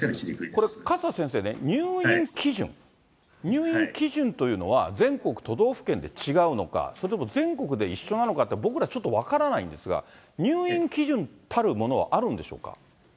これ勝田先生ね、入院基準、入院基準というのは全国都道府県で違うのか、それとも全国で一緒なのかって、僕らちょっと分からないんですが、入院基準たるものはあるんでしょうか。